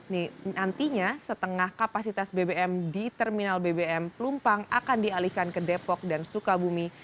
nantinya setengah kapasitas bbm di terminal bbm pelumpang akan dialihkan ke depok dan sukabumi